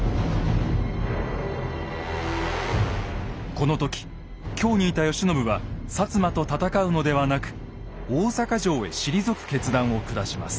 この時京にいた慶喜は摩と戦うのではなく大坂城へ退く決断を下します。